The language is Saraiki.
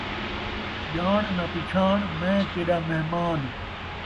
ڄاݨ ناں پچھاݨ ، میں تیݙا مہمان